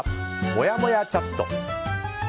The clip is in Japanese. もやもやチャット。